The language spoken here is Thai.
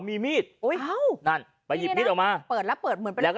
มีมีดอุ้ยนั่นไปหยิบมีดออกมาเปิดแล้วเปิดเหมือนไปแล้ว